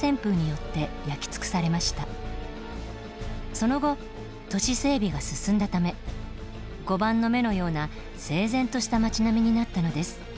その後都市整備が進んだため碁盤の目のような整然とした町並みになったのです。